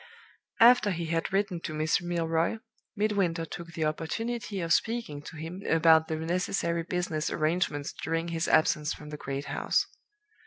"After he had written to Miss Milroy, Midwinter took the opportunity of speaking to him about the necessary business arrangements during his absence from the great house.